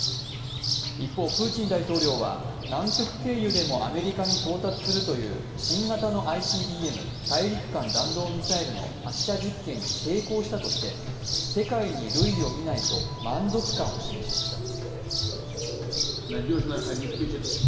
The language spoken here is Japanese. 一方、プーチン大統領は南極経由でもアメリカに到達するという新型のＩＣＢＭ＝大陸間弾道ミサイルの発射実験に成功したとして世界に類を見ないと満足感を示しました。